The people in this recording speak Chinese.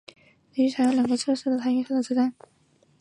并且与邻站壶川站成为连续两个采用侧式月台上落的车站。